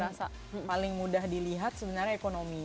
iya nachi yang paling mudah dilihat sebenarnya ekonomi